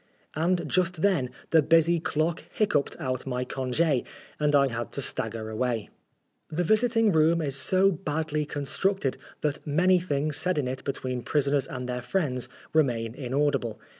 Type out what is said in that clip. And just then the busy clock hiccoughed out my cong6, and I had to stagger away. The visiting room is so 198 Oscar Wilde badly constructed that many things said in it between prisoners and their friends remain inaudible.